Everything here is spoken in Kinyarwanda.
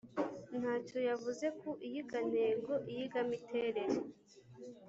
Ntacyo yavuze ku iyigantego/iyigamiterere,